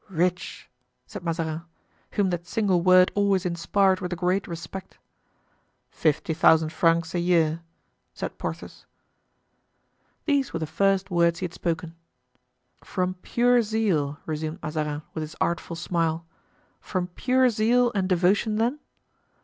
"Rich!" said Mazarin, whom that single word always inspired with a great respect. "Fifty thousand francs a year," said Porthos. These were the first words he had spoken. "From pure zeal?" resumed Mazarin, with his artful smile; "from pure zeal and devotion then?"